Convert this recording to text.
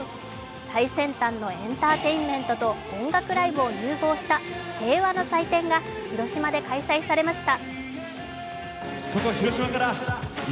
最多先端のエンターテインメントと音楽ライブを融合した平和の祭典が、広島で開催されました。